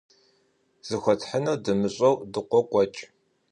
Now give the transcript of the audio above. Зыхуэтхьынур дымыщӀэу дыкъокӀуэкӀ.